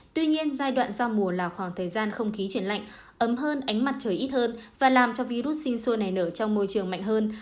tuy nhiên giai đoạn giao mùa là khoảng thời gian không khí chuyển lạnh ấm hơn ánh mặt trời ít hơn và làm cho virus sinh sôi nảy nở trong môi trường mạnh hơn